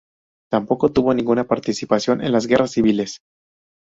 Tampoco tuvo ninguna participación en las guerras civiles.